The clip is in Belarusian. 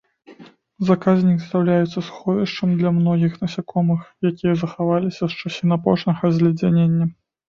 Заказнік з'яўляецца сховішчам для многіх насякомых, якія захаваліся з часін апошняга зледзянення.